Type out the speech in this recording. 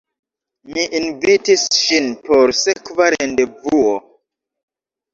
Mi invitis ŝin por sekva rendevuo.